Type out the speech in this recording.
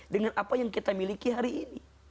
dengan apa yang kita miliki hari ini